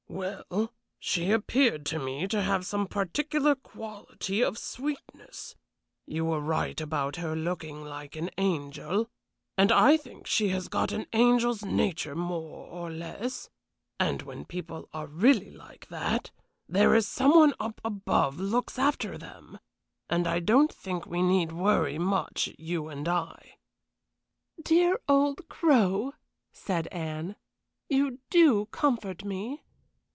"Well, she appeared to me to have some particular quality of sweetness you were right about her looking like an angel and I think she has got an angel's nature more or less; and when people are really like that there is some one up above looks after them, and I don't think we need worry much you and I." "Dear old Crow!" said Anne; "you do comfort me.